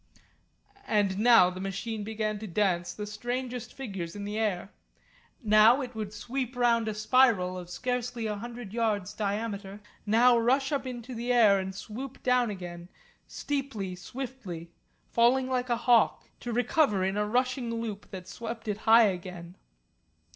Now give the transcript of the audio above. And now the machine began to dance the strangest figures in the air. Now it would sweep round a spiral of scarcely a hundred yards diameter, now rush up into the air and swoop down again, steeply, swiftly, falling like a hawk, to recover in a rushing loop that swept it high again.